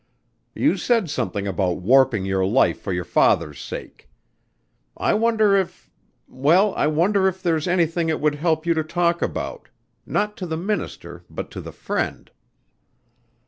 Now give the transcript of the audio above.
"You said something about warping your life for your father's sake. I wonder if well, I wonder if there's anything it would help you to talk about not to the minister but to the friend."